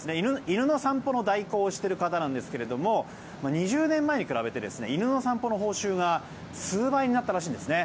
犬の散歩の代行をしている方なんですが２０年前に比べて犬の散歩の報酬が数倍になったらしいんですね。